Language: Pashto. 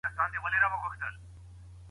هنر د ټولنې روح دی.